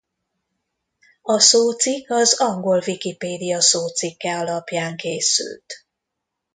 A szócikk az angol Wikipédia szócikke alapján készült.